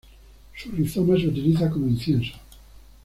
Su rizoma se utiliza como incienso.